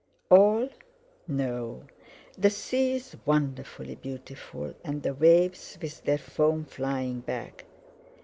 "All? no. The sea is wonderfully beautiful, and the waves, with their foam flying back."